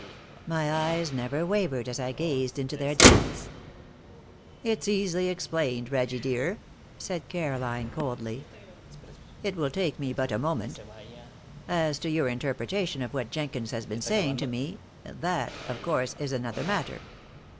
My eyes never wavered as I gazed into their depths. "It's easily explained, Reggie, dear," said Caroline, coldly. "It will take me but a moment. As to your interpretation of what Jenkins has been saying to me that, of course, is another matter.